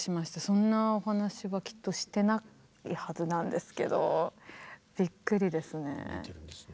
そんなお話はきっとしてないはずなんですけどびっくりですね。